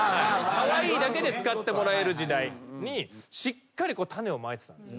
カワイイだけで使ってもらえる時代にしっかり種をまいてたんです。